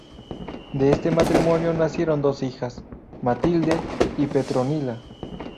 De este matrimonio nacieron dos hijas, Matilde y Petronila.